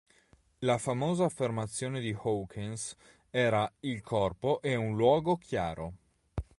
La famosa affermazione di Hawkins era "Il corpo è un luogo chiaro".